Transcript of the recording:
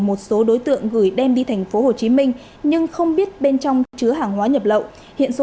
một số đối tượng gửi đem đi tp hcm nhưng không biết bên trong chứa hàng hóa nhập lậu hiện số